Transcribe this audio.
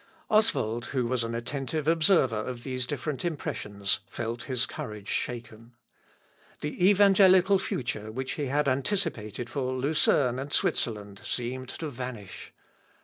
Oswald, who was an attentive observer of these different impressions, felt his courage shaken. The evangelical future which he had anticipated for Lucerne and Switzerland seemed to vanish.